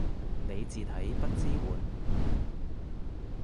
你字體不支援